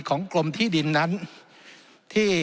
จำนวนเนื้อที่ดินทั้งหมด๑๒๒๐๐๐ไร่